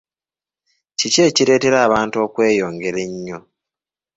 Ki ekireetera abantu okweyongera ennyo?